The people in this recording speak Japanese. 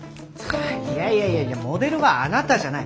いやいやいやいやモデルはあなたじゃない。